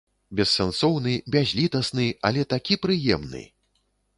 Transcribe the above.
Бессэнсоўны, бязлітасны, але такі прыемны!